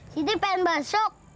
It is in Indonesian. sini pengen masuk